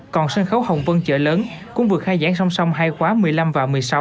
còn sân khấu hồng vân chợ lớn cũng vừa khai giảng song song hai khóa một mươi năm và một mươi sáu